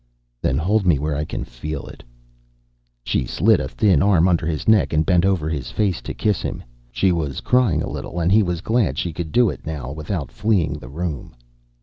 "Then hold me where I can feel it." She slid a thin arm under his neck, and bent over his face to kiss him. She was crying a little, and he was glad she could do it now without fleeing the room.